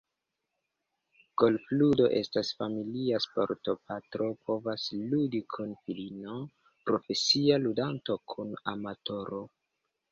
Golfludo estas familia sporto – patro povas ludi kun filino, profesia ludanto kun amatoro.